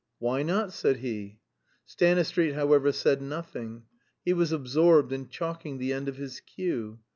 "Why not?" said he. Stanistreet, however, said nothing. He was absorbed in chalking the end of his cue.